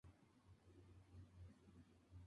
El barco se hundía y Bob Esponja salvó a todos.